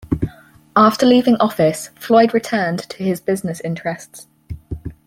After leaving office Floyd returned to his business interests.